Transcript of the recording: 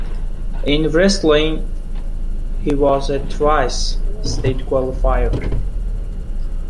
In wrestling, he was twice a State Qualifier.